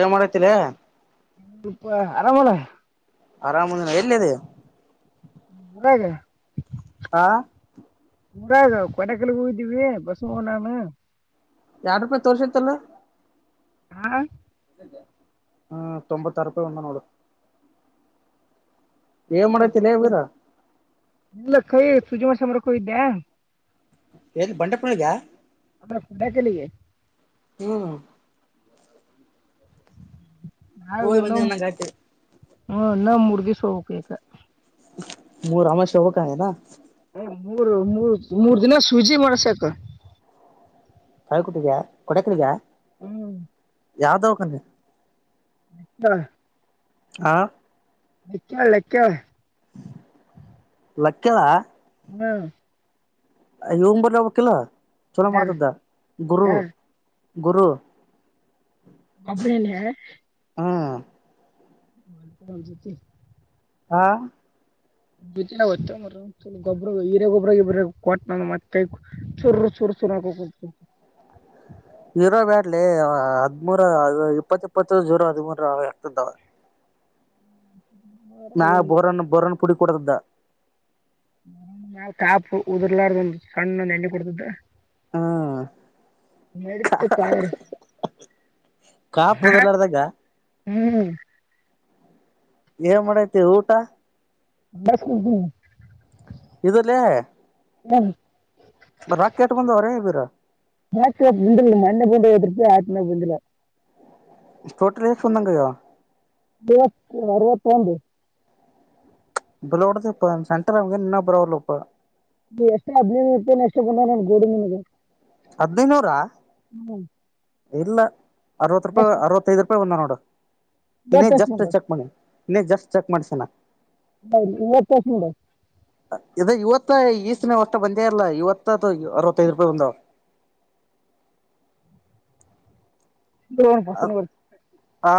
ಏನ್ ಮಾಡತಿಲೇ ಏನಿಲ್ಪ ಆರಾಮಲ್ಲ ಆರಾಮದಿನ ಎಲ್ಲಿದೆ ಉರಾಗ ಆ ಊಗ ಕೊಡೆಕಲ್ಕಲ ಹೋಗಿದಿವಿ ಬಸು ನಾನು ಎರಡ ರೂಪಾಯಿ ತೋರ್ಸತ್ತಲ್ಲ ಹಾ ಹ್ಮ್ ತೊಂಬತ್ತರೂಪಾಯಿ ಒಂದ ನೋಡು ಏನ್ ಮಾಡತ್ತಲ್ಲ ಹೇ ಬೀರಾ ಇಲ್ಲಕ್ಕ ಸುಜಮ ಸಮರ ಕಿದ್ದ್ಯಾ ಹಲ್ಲಿ ಬಂಂಡೆಪುಳ್ಳಗ ಅೆ ೋಟ ಕೆಲ್ಲಿಗೆ ಹ ನಾವ ಹೋಗಿ ನ ಬಂದೆ ಅನ್ನಂಗ ಆಯ್ತು ಹ್ಮ ನಮ್ ಹುಡ್ಗಿ ಸ ಹೋಗಬೇಕು [inaudible] ಮೂ ರಮ ಶವಕಾಯನಾ ಮೂರು ಮೂರ್ ಮೂರ್ ದಿನ ಸೂಜಿ ಮಾಡ್ಸಕ್ ತಾಯಕಟ್ಟಗ ಕೊಡಕಗ ಹ್ಮ್ ಯಾವ್ದಾವಕನ್ ಹ ಆ ಕ್ಕಳ ಕ್ಕಳೆ ಲಕ್ಕಳ ಹಾ ಯ ಬ ಬ ಕಲ ಚಲೋ ಯಾರ ಮಾಡ್ತಿದ್ದ ಗುರು ಯಾರ ಗುರು ಅಬರನ ಹ ಹಾ ಮಪನ್ ಜತಿ ಹಾ ಗೊಬ್ಬ್ರ ಹೀರೇ ಗೊಬ್ರ ಇಬ್ರ ಕೊಟ್ ನ ಮತ್ತ ಚೂರರು ಚೂರು ಚೂರು ಹಾಕ ರ ಬ್ಯಾಟ್ಲಿ ಹದಿಮೂರ ಇಪ್ಪತ್ತು ಇಪ್ಪತ್ತು ಜೂರೋ ಹದಿ್ಮೂರ ಆಗ್ತದಾವ ನಾ ಹಾಕೋಕೊಂತೀನಿ ಬೋರನ್ ಬೋರನ್ ಪುಡಿ ಕೊಡ್ದ ನ ನಾವ್ ಕಾಪ ಉದುರ್ಲಾರ್ದ ಒಂದ್ ಸಣ್ಣ ಒಂದ್ ಎಣ್ಣೆ ಕೊಡ್ತದ ನಡೀತಪ್ಪ ಅವ್ರು ಹ್ಮ್ ಕಪದಲ್ಲಾರ್ದಕ್ಕ ಹ್ಮ್ ಏನ್ ಮಾಡೈತಿ ಊಟ ಬ ಸ್ ಕುತ ಇದಲ್ಲೇ ಹ್ಮ ರಾ ಕೆಟ ಬಂದ ಅವರ ಬೀರ ಮಾ ಪಂಿಲ್ಲ ಮಣ್ಣೆ ಪುಂಡದ ಆತ್ಮ ಪಂಿಲ್ಲ ಫೋಟ ರಫೊಂದಂಗಯೋ ವತ್ತು ಅರವತ್ತೊಂದು ಬಲೋಡ್ದ ಇಪ್ಪ ಸೆಂಟರ್ಮ ನಿನ್ನ ಬರ ಅವಪ್ಪ ಎಷ್ಟು ಹದ್ಿನೈದು ಇರ್ಪ ಎಷ್ಟು ಬ ನ ಗೋಡ ಮ ಹದೈನೂರ ಇಲ್ಲ ಅರವತ್ತು ರೂಪಾ ಎಷ್ಟು ಅವತ್ತಐ ರೂಪಾಯಿಂದ ನೋಡ ಇನ್ನೇ ಇವತ್ತು ಎಷ್ಟು ಜಸ್ಟ್ ಬಂದ ಚೆಕ್ ಇನ್ನೇ ಜಸ್ಟ್ ಚೆಕ್ ಮಾಡ್ಸಣ ಹ ಇವತ ಎಷ್ಟು ಬಂದಾವರಿ ಇ ಇವತ್ತ ಈಸನೆ ಅಷ್ಟ ಬಂದೇ ಇಲ್ಲ ಇವತ್ತು ತ್ತ ಅರವತ್ತದು ರೂಪಾಯಿ ಬಂದು ನೋಡಿ ಹಂ ಬಸ್ಸನ್ನು ಆ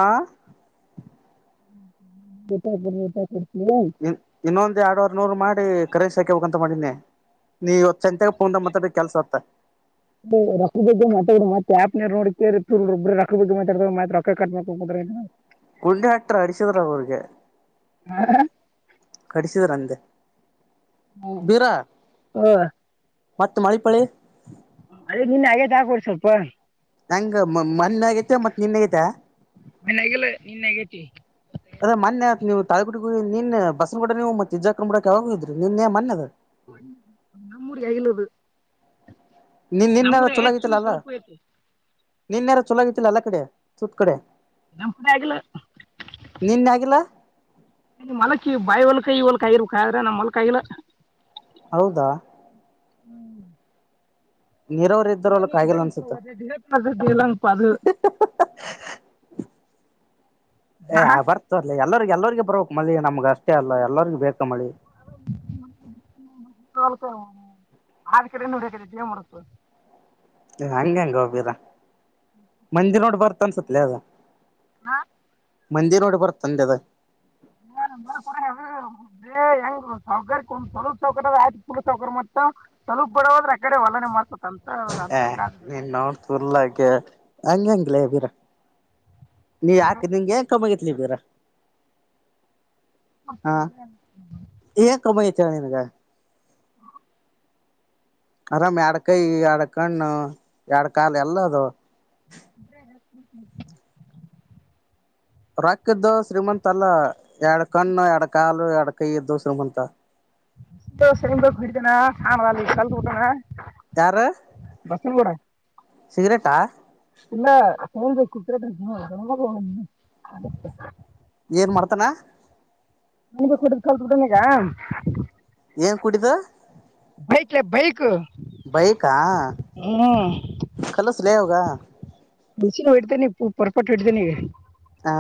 ಕೊಡ ಆಗಿಬಡು ಇ ಇನ್ನೊಂದ್ ಎರಡ್ವರ್ ನೂರ್ ಮಾಡ ಕರೆಸ್ಸಿ ಹಾಕೆ ಹೋಗಂತ ಮಾಡಿನಿ ನೀವ ಇವತ್ ಚಂತೆಕ ಪೋನಾಗ ಮಾತು ಆಡಿದರೆ ಕೆಲ್ಸ ಹೊತ್ತ ರೊಕ್ಕ ಬಗ್ಗೆ ಮಾತಾಡ ಮತ್ತ ಆಪ್ ನೀರ್ ನೋಡೊಬ್ ರಕ್ಕದ ಬಗ್ಗೆ ಮಾತಾಡತ ಮತ್ತತ್ ರೊಕ್ಕ ಕಟ್ ಮಾಡಿಕೊಂಡು ಕುಂತ್ರೆಅತಿನಿ ಗುಂಡಿ ಹಟ್ರ ಅಡಿಸಿದ್ರ ಅವ್ರಿಗೆ ಮಾಡರ್ ಕಡಿಸಿದ್ರಂಗ ಹ್ಮ ಹ್ಮ ಮತ್ತತ್ ಮಳಪಳೆ ಮಳಿ ನಿನ್ನ ಹಾಗೇದ ಹಾಕೋಡಿ ಸ್ವಲ್ಪ ನಂಗ ಮೊನ್ನೆ ಆಗೈತೆ ಮತ್ತತ್ ನಿನ್ ಆಗೈತೆ ಮನ್ಗಲ್ಲ ನಿನ್ನೆ ಹಗೇತಿ ತಾಳಗುಡಗ ನಿನ್ನ ಬಸ್ ಕೂಡ ನೀವು ಮೆಜಕನ್ ಕಡಕ್ಕೆಾವಾಗೋಗ ಇದಿ ನಿನ್ನೆ ಮನ್ ಅದ ನಮ್ಮ ಊರಿಗೆ ಆಾಗಿಲ್ಲುದು [inaudible] ನಿನ್ ನಿನ್ನೆಾರೇ ಚಲಾಗಿತ್ತಲ್ಲ ಅಲ್ಲ ಐತಿ ನಿನ್ನಯಾರ ಚೊಲಾಗಿತ್ತಲ್ಲ ಅಲ್ಲ ಕಡೆ ಸತು ಕಡೆ ನಮ್ಮಕಡೆ ಆಕಿಲ್ಲ ನಿನ್ನೆ ಆಗಿಲ್ಲ ನೀಮ ಹೊಲಕ ಬಾಯಿ ಒಲ್ಕಾಯಿ ಇವಲ್ಕಾಯರ್ಬೇಕ ಆದ್ರೆ ನಮ್ಮ್ ಮಲ್ಕೈಲ್ಲ ಹೌದಾ ನೀರಾವರಿ ಅದು ಇದ್ದರೊಲಕ್ ನೀನು ಆಗಿಲ್ಲ ಅನ್ಸುತ್ತ ಇದಂಗ ತಸತಲ್ಲಾಪ್ಪ ಅದು ಏ ಬರುತ್ತ ತೊಗಳೆ ಎಲ್ಲರಿ ಎಲ್ಲರ್ರಿಗೆ ಬರಬೇಕಕ್ ಮಳಿ ನಮ್ಗ್ ಅಷ್ಟೇ ಅಲ್ಲ ಎಲ್ಲರಿೂ ಬೇಕು ಮಳಿ ಆದ ಕಡೆ ನೋಡಕ ನೀಡುತ್ತದೆ ಏನ್ ಮಾಡಬೇಕೆ ಹಂಗೆ ಹಂಗೋ ಭಿರಾ ಮಂದಿ ನೋಡ್ ಬರ್ತ ಸುತ್ತಲೆ ಅದು ಹಾ ಮಂದಿನೆಡಿ ಬರುತ್ತದೆಂದು ಅದು ರಂಗ ಸೌಕಲಪ್ ಸೌಕರ್ಯದ ಆಯತ ಪು ಸೌಕರ ಮ ಸಲ ಬಡದ್ರೆ ಆಕಡೆ ವಲನೆ ಮಾರುತ್ತಿಂದ ಹ ನೀನ್ಮನ ಕಹೆ ಅಂಗಿಲ್ಲಲೀ ಬರ ನೀ ಹಾಕ ನಿಂಗ ಏನ್ ಕಮ್ಮಿ ಅಗಾಥಾ ಇಲಿ ಬರ ಏನ್ ಕಮ್ಮಿ [inaudible] ಆಗೈತಿ ನಿನಗ ಆರಾಮ್ ಎಡಕೈ ಎಡ್ ಕಣ್ಣು ಎಡ್ ಕಾಲ್ ಎಲ್ಲದು. ಹ ರೊಕ್ಕ ಇದ್ದು ಶ್ರೀಮಂತ ಅಲ್ಲ ಎರಡ್ ಕಣ್ಣ ಎರಡ ಕಾಲು ಎರಡ್ ಕೈ ಇದ್ದು ಶ್ರೀಮಂತ. ಯಾರ [unintelligible] ಬಸನ್ಗೂಡ ಸಿಗರೇಟಾ ಇಲ್ಲ. ತಗಳ್ಬೇಕು ಕುತ್ರೆಟ [unintelligible] ಏನ್ ಮಾಡ್ತಾನ ಮನಗೆ ಕೊಡಲ್ತ್ ಏನ್ ಕುೂಡಿದ ಬೈಕ್ ಬೈಕ ಹ ಹ್ಞೂ ಕಲ ಸಲೇ ಹೋಗ ಬಿಸಿನ ಹೂಡ್ತೇನೆ ಪೂ ಪರ್ಪೆಕ್ಟ್ ಹೂಡ್ತೇನ. ಹಾ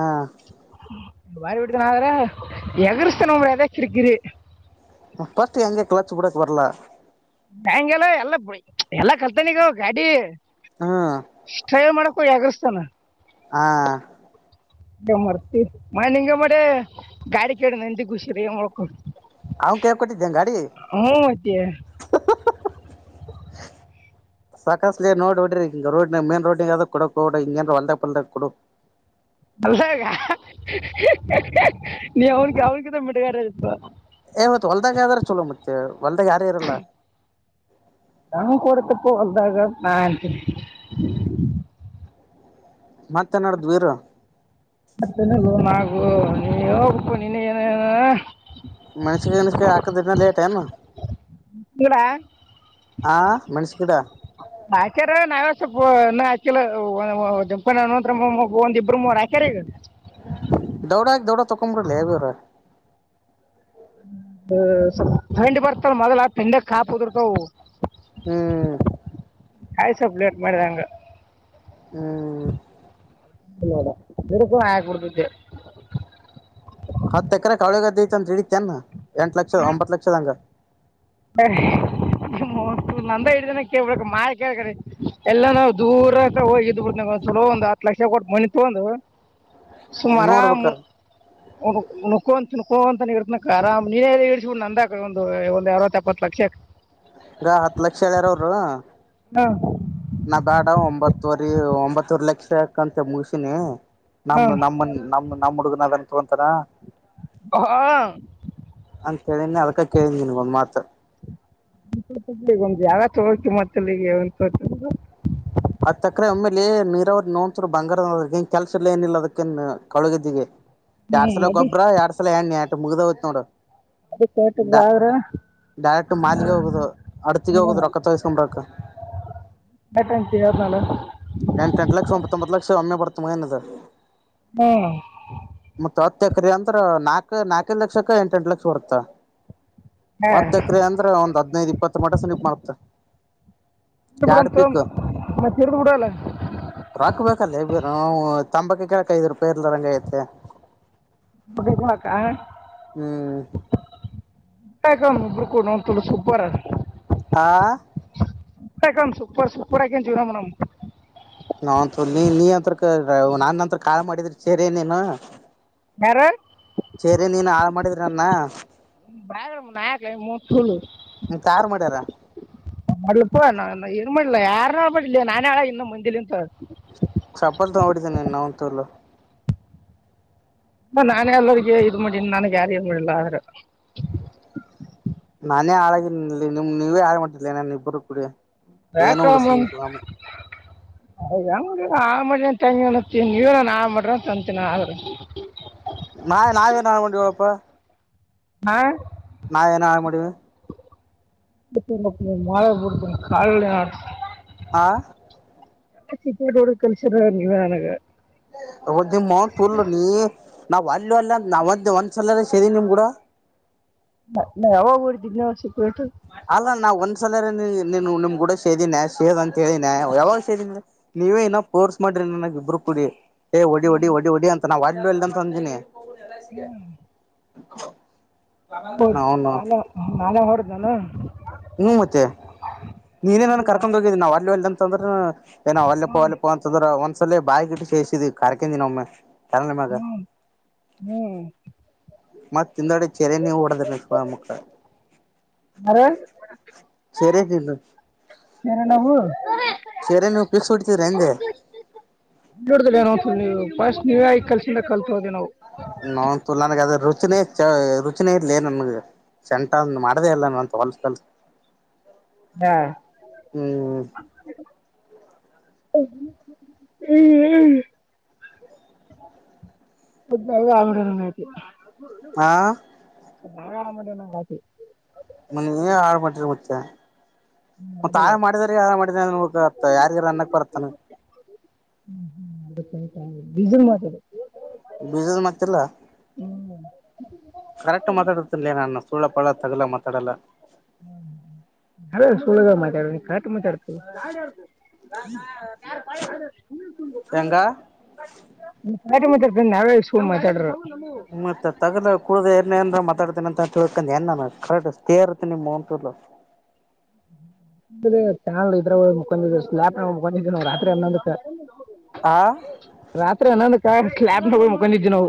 ಬಾರಿ ಬಿಡ್ತನ ಆದ್ರ ಎಗರಿಸತನದ ಕಿರಿಕಿರಿ ಫಸ್ಟ್ ಹೆಂಗೆ ಕ್ಲಾಚ್ ಬಿಡಕ್ ಬರ್ಲಾ ಬ್ಯಾಗೆಲ್ಲ ಎಲ್ಲುಡಿ ಎಲ್ಲ ಕಲ್ತನಿಗ ಗಾಡಿ ಹ್ಮ್ ಸ್ಟೇ ಮಾಡ ಕ ಅಗ್ರ್ತಾನ. ಹಾ ಮರ್ತಿ ಮ ನಿಂಗ ಮ ಗಾಡಿ ಕಡ ನಂದಿ ಷಿರಿಳ್ಕಡ್ ಹ ಕವ ಕೊಟ್ಟಡಿ ಎನ್ ಗಡಿ ಮತ್ತೆ ಸಾಕಷ್ಟ ನೋಡ್ಬ ಬಿಡ್ರಿಂಗ ರೋಡ್ ಮೇನ್ ರೋಡ್ ಕೊಡಕ್ ಹ ಹಿಂಗಏನ್ ಹೊಲ್ದ ಪಲ್ದಕ್ ಕೊಡ ಅಲ್ಲಾಗ ನೀ ಅವ್ರಿಗೆ ಅವ್ರಗಂತ ಬಿಟಗಾರ ಇತ್ತು. ಏ ಮತ್ ಹೊಲ್ದಾಗ ಆದದಾರ ಚಲೋ ಮತ್ತೆ ಹೊಲ್ದಾಗ ಯಾರು ಇರಲ್ಲ. ನಾಾನ ಕೂಡತಪ್ಪ್ದಾಗ ನಾ ಮತನಾಡ್ದ್ವಿರ. ಮತ್ತಗ ನಗು ನೀ ಹೋಗು ನಿನ್ನ ಏನ ಮನ್ಸಿಗೆ ಮನ್ಸಗೆ ಹಾಕದನ ಲೇಟ್ ಏನು. ಇಲ್ಲ ಹಾ ಮೆಣ್ಸ ಗಿಡ. ಆಚಾರ ನಾವೇ ಸ್ವಲ್ಪ ಆಲಂಪಾನಂ [unintelligible] ಒಂದ ಇಬರು ಮೂವರ ಹಕ್ಯಾರಿಗ ದೌಡಕ ದೌಡ ತಕೊಂಬಡೆಲ್ಲಿ ಬೀರ. ಹ ಸ್ವಲ್ ತಂಡಿ ಬರ್ತದ ಮೊದಲ ಆ ತಿಂಡಕ್ ಕಾಪದಿರ್ತಾವ ಹ್ಮ್. ಕಾಯ್ ಸ್ವಪ್ ಲೇಟ್ ಮಾಡಿದಂಗ ಹ್ಮ್. ನೋಡ ಬರಕು ಹ ಕುಡ್ತಿದ್ದೆ ಹತ್ತ ಎಕರೆ ಕಾವಳಿಗದೇ ಐತೆ ಅಂತ ಹಿಡಿತನ್ ಎಂಟು ಲಕ್ಷದ ಒಂಬತ್ತು ಲಕ್ಷದಗ ಹ ನಂದ ಇಡ್ದನ ಕೇಳ್ಬಬೇಕ್ ಮಾರಿ ಕೇಳ್ರಿ ಎಲ್ಲ ನಾವು ದೂರ ಹೋಗಿ ಇದ್ ಬಿಡ್ತೀನಿ ಒಂದ್ ಹತ್ ಲಕ್ಷ ಕೊಟ್ಟ ಮನಿ ತಗೊಂಡು ನೋಡ್ಬೇಕಾರ ನುಕೋಂತ ತಿನ್ನಕೋಅಂತ ಇರತನ ಆರಾಮ ನೀ ಇಸಬಿು ನಂದಕ ಒಂದು ಒಂದ ಅರವತ್ ಎಪ್ಪತೂ ಎಪ್ಪತ್ ಲಕ್ಷ ಈ ಹತ್ತು ಲಕ್ಷ ಹೇಳ್ಯಾರ ಅವರು ಹಾ ನಾ ಬೇಡ ಒಂಬತ್ತುವರಿ ಒಂಬತ್ತವರ ಲಕ್ಷ ಯಕಂತೆ ಮುಗಸಿನಿ ನಮ್ಮ ನಮ್ಮ ನಮ್ಮ ನಮ್ಮಹುಡುಗ ಗ ನನ್ ತಗೊಂತಾರ ಹಾ ಕೇಳ ಅದಕ್ಕ ಕೇಳ ಒಂದು ಮಾತ ಈಗ ಒಂದ್ ಯಾಗ ತಗೋತ ಕಿಮ್ಮತ್ತಲ್ಲಿಗ ಒ ತೋ ಅದ್ ತಕ್ರೆ ಒಮ್ಮೇಲಿ ನೀರಾವ್ರ ನೋತ್ರು ಬಂಗಾರದನ್ ಕೆಲ್ಸ ಎಲ್ಲ ಏನಿಲ್ಲ ಅದಕ್ಕೇ ಕಳಗೆದಿಗೆ ಹ್ಞೂ ಎರಡ್ ಸಲ ಅದು ಗೊಬ್ಬರ ಎರಡ್ ಸಲ ಎಣ್ಣೆ ಮುಗದಹೋತ್ತ ನೋಡ ಅದು ತೋಟದ್ದು ಡ ಆದ್ರೆ ಡರೆಕ್ಟ್ ಮಾಲಿಗೆ ಹೋಗುದು ಅಡತೀಗೆ ಹ್ಞೂ ಹೋಗುದು ರೊಕ್ಕ ತೋಸ್ಕೊಂಡ್ರೊಕ್ಕ ಕಾರ ನಳ ಎಂಟ ಎಂಟ್ ಲಕ್ಷ ಒಂಬತ್ತೊಂಬತ್ತ್ತು ಲಕ್ಷ ಒಮ್ಮೆ ಬರ್ತ ಮಗ ನಂದ ಹ್ಮ್ ಹತ್ತ ಎಕ್ರೆ ಅಂತ್ರ ನಾಕ್ ನಾಲ್ಕೈ ಲಕ್ಷಕ್ಕ ಎಂಟ ಎಂಟು ಲಕ್ಷ ಬರುತ್ತ ಹಾಂ ಹತ್ತು ಎಕರೆ ಅಂದ್ರೆ ಒಂದ್ ಹದನೈದ ಇಪ್ಪತ್ತು ಮಟ ಸನೀಪ್ ಬರತ್ [inaudible] ನ ತದು ರೊಕ್ಕ ಕ ಬೇಕಲ ಬಿರ ತಂಬಕ ಕೆಳಕ್ ಐದು ರೂಪಾಯಿ ಇರ್ಲಾರ್ದಂಗ್ ಆಗೈತ್ಲೇ ದ ತಕಾಗ ಹ್ಮ್ [inaudible] ಊ ಒಬ್ರು ಕೂಡ ಒಂತಲ ಸೂಪರ್ ಅ [unintelligible] ಆಹಾ ಸೂಪರ್ ಸೂಪರ್ ಹಾಕ ಜೀವನ ಮಾಡುಮ್ಮ ನಾವಂತು ನೀ ನೀ ಅಂತ ನಾನಂತ್ರ ಕಾಳ್ ಮಾಡಿದ್ರಿ ಸೇರಿ ನೀನು ಯಾರ ಸರಿ ನೀನ್ ಆರಾಮ ಮಾಡಿದ ನ್ನ ನಾಯಕ ಮೂ ಸುಳ್ಳು ಮತ್ ಯಾರ್ ಮಾಡ್ಯಾರ ಮಾಡೀಲಪ್ಪ ಏನು ಮಾಡಿಲ್ಲ ಯಾರು ನಲಿಲ್ಲ ನಾನ್ ಹೇಳಾ ಇನ್ನು ಮುಂದಲಿ ಅಂತ ಚಪ್ಪಲ್ ಆಡಿಿದ್ದನೆ ನಂತೂರ್ಲ ನಾನೇ ಎಲ್ಲರ್ಗ ಇದ್ ಮಾಡನ ನನ್ಗೆ ಯಾರು ಇದ ಮಾಡಿಲ್ಲ ಆದ್ರ ನಾನೇ ಹಾಳಾಗಿ ನಿಮ ನೀವೇ ಹಾಳ್ ಮಾಡತಿದರ್ಲ ನಾನನ್ ಇಬ್ಬರು ಕುೂಡಿ ಯಕ [inaudible] ಆ ಮಾಡಿನ್ ತಂಗಿ ಅತ್ತಿ ನೀವ ನಾನು ಆ ಮಾಡ್ರಂತ ಅಂತೀನ ಆ್ರ ನಾ್ ನಾವೇನ್ ಮಾಡ ಮಾಡವಳಪ್ಪ ಹಾ ನಾವ ಏನ ಆ ಮಾಡೀವಿ ಇ ಮಾಳೆ ಬಡ್ತ ಕಾಲ ಯಾರ [unintelligible] ಹಾ ಸಿಟೋಡು ಕಲ್ಸರ ನೀವ ನನಗ ಒದ ಮನ್ ತುರಲ ನೀ [unintelligible] ನಾವು ವಾಲ್ಯೂ ಅಲ್ಲ ನಾವು ಒಂದು ಒಂದು ಸಲ ಸರಿ ನಿಮ್ಮ ಕೂಡ ಹ ಯಾವಾಗ ಊ [unintelligible] ರ್ಿದ್ ನ ಸಿ ಅಲ್ಲ ನಾವ್ ಒಂದ ನೀನು ನಿಮ್ ಕೂಡ ಸೇದೀಿನ ಸೇದ್ ಅಂತ ಹೇಳಿನ ಯಾವಾಗ ಸೇದಿನನಿ ನೀವೇ ಇನ ಕೋರ್ಸ್ ಮಾಡ್ರಿ ನನಗ್ ಇಬ್ಬರು ಕುಡಿ ಹ ಒಡಿ ಒಡಿ ಒಡಿ ಸ ನಾ ವಾಡ್ಲುವೆ ಎಲ್ಲ ಅಂತಂದಿನಿ ಹೋಗನಲ್ಲ ಸಿಗ [inaudible] ಹ ಹೌದು ನಾನ ನಾನ ಹೊರ [unintelligible] ಲ್ಲಾ ಹ್ಮ ಮತ್ತೆ ನೀನೇನಾನನ್ ಹ್ಞೂ ಕರ್ಕೊಂಡ್ ಹೋಗಿದ್ದೀಿ ನಾವ್ ಅಲ್ಲ ಎಲ್ಲಂತಂದ್ರ ಏನಾವ ಅಲ್ಲಪ್ಪ ಅಲ್ಲಪ್ಪಾ ಅಂತಂದ್ರ ಒ ಅಸಲ್ಲೇ ಬಾಯ ಕಿಟ್ಟಿ ಚೇಸಿದಿದೆ ಕರಕೆಿಂದಿನ ಒಮ್ಮೆ ಚನ್ನಲ್ಲ ಮಾಗ ಹ್ಞೂ ಮತ್ತತ್ ತಿಂದಾಡೆ ಚೆರೆ ನೀವು ಓಡದ್ರ ಮಕ್ಳ ಯ [unintelligible] ಸರಿದಿಲ್ಲ ಹರ ನವುು [unintelligible] ಶೇರೆ ನೀವು ಪಿಕ್ಸ್ ಹಡ್ತೀ್ರ ಎಂದೆ ನೋಡಿದ್ರೆ ಏನೋ ನೀವು ಫಸ್ಟ್ ನೀವೇ ಈ ಕಲಸಿಂದ ಕಲ್ತೋದೆ ನಾವು ನಾ ತುಲಾನ ಅದ [unintelligible] ರುಚಿನೇ ಚ ರುಚಿನೇ ಇರಲಿ ನನ್ಗೆ ಸೆಂಟ ಅ ಮಾಡದೆೇ ಇಲ್ಲ ನಂತ ಹೋಲ್ಸ ಕಲ್ಸ ಹಾ ಹ ಆಂಗಡಐತಿ [unintelligible] ಆ ಆರಾಮ ಅದಿನ ಹಾಕೀ ನನ್ನ ನೀವೇ ಹಾಳ ಮಾಡಿರ್ ಹುಚ್ಚ ಮತ್ತ ಹಾಳ ಮಾಡಿಲ್ಲ ಮಾಡಿದಿರಿ ಹಾಳ ಮಾಡಿದೀ ಅನ್ಬೆಕ್ ಯಾರಗಾರ ಅನ್ನಕ್ ಬರತ್ತನ ಹ್ಮ ಹ್ಮ್ ಐತೈತ ಬೀಜಲ ಮಾತಡು ಬೀಜದ ಮತ್ತಿಲ್ಲ ಹ್ಞೂ ಕರೆಕ್ಟ್ ಮಾತಾಡಿರ್ತಿನ್ಲೇ ನಾನು ಸುಳ್ಳ ಪಳ್ಳ ತಗಲ ಮಾತಾಡಲ್ಲ ಏ ಸುಳ್ಳದಾಗ ಮಾತಾಡನಿ ಕರೆಕ್ಟ್ ಮಾತಾಡತಿ ನಾ ಯು [unintelligible] ಪಾಯ ಹೋದೊರ್ಸ್ ಹ್ಮ ಶೇಂಗಾ ಖಾಟಿಮಾತಾಡ್ತೀನಿ ಇಟ್ಟ ಸುಳ್ಳ ಮಾತಾಡರು ಮತ್ತೆ ತಗದ ಕುಡ್ದ ಇಲ್ಲ ಏನ್ ಮಾತಾಡ್ತೇನ ಅಂತಂತ ತಿಳ್ಕೊಂಡ ಏನ ಕರೆಕ್ ಸ್ಟೇ ಇರುತ್ತೆ ನಿಮಮ್ಮೂ [unintelligible] ಇದ್ರ ಸಣದ ಇದ್ರಗ ಹೋಗಿ ಮಕೊಂಡಿದೆ ಸ್ನ್ಯಾಪದಾಗ ಮಕೊಂಡಿದೆನೊ ರಾತ್ರಿ ಹನ್ನೊಂದುಕ್ ಆ ರಾತ್ರಿ ಹನ್ನೊಂದಕ ಕ್ಲ್ಯಾಪ್ ಹೋಗ ಮಕೊಂಡಿದೆವ ನಾವು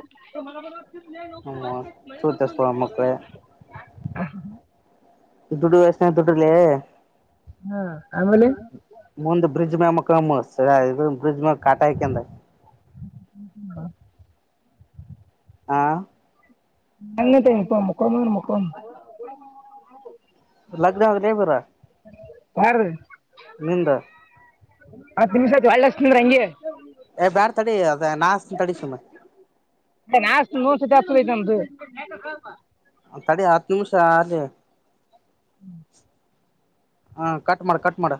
ನಿಂವನ್ ಚುತೆ ಸುಳಿಮಕ್ಕಳೇ ದುಡಿ ವಯಸನ್ಯಾಗ್ ದುಡ್ರೇಲೆ ಹಾ ಆಮೇಲೆ ಬ್ರಿಜ್ಮಮ್ಯಾಗ ಮಕ್ಕಳಮ್ ಸೃದು ಬ್ರಿಜಮ್ಯಾಗ ಕಾಟಾ ಹೈಕಂದ ಹ್ಮ [unintelligible] ಹ ನಿಟೆನಪ ಮಕ್ಕೊಳಮಂದ್ರ ಮಕ್ಕಳಮ ಲಗ್ನ ಹೋಗ್ಲೆ ಬರ ಯಾರೀ ನಿಂದ ಹತ್ತ ನಿಮಿಷ ಆತ ಹೊಳ್ಳ ಹಸ್ತಿನಿಂದ್ರ ಹಂಗೆ ಏ ಬ್ಯಾಡ ತಡಿ ಅದ ನಾ ಹಸ್ತೀನಿ ತಡಿ ಸುಮ್ಮ ತ್ದ ನಂದು ತಡಿ ಹತ್ತು ನಿಮಿಷ ಆಲಿ ಹ್ಮ್ ಹಾ ಕಟ್ ಮಾಡ ಕಟ್ ಮಾಡ